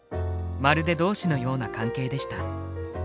まるで同志のような関係でした。